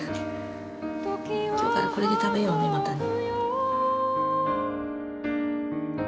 きょうからこれで食べようねまたね。